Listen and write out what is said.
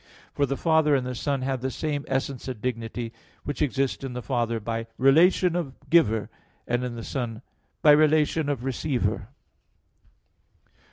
For the Father and the Son have the same essence and dignity, which exist in the Father by the relation of giver, and in the Son by relation of receiver.